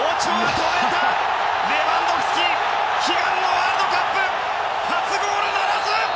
レバンドフスキ悲願のワールドカップ初ゴールならず！